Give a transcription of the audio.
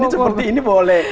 seperti ini boleh